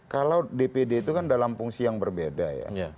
kalau dpd itu kan dalam fungsi yang berbeda ya